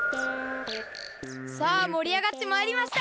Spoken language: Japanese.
さあもりあがってまいりました！